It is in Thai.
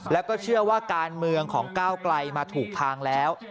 แล้วก็เชื่อว่าการเมืองของก้าวไกลมาถูกทางแล้ว